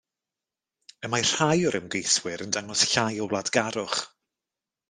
Y mae rhai o'r ymgeiswyr yn dangos llai o wladgarwch.